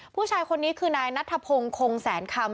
ผู้ชายคนนี้คือนายนัทธพงศ์คงแสนคำ